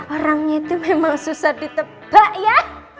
orangnya itu memang susah ditebak ya